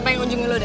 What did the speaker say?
satu dong masa dua